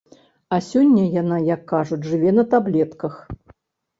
А сёння яна, як кажуць, жыве на таблетках.